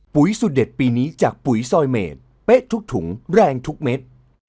สุดเด็ดปีนี้จากปุ๋ยซอยเมดเป๊ะทุกถุงแรงทุกเม็ด